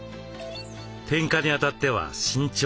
点火にあたっては慎重に。